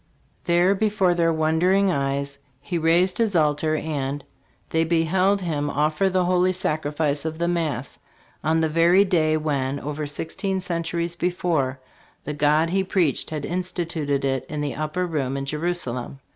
There before their wonder THE IMMACULATE CONCEPTION. 4! ing eyes he raised his altar, and .'.. they beheld him offer the holy sacrifice of the mass, on the very day when, over sixteen centuries before, the God he preached had instituted it in the upper room in Jerusalem.